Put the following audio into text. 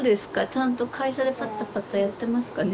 ちゃんと会社でパタパタやってますかね？